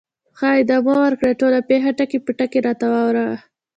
ښه، ادامه ورکړه، ټوله پېښه ټکي په ټکي راته واوره وه.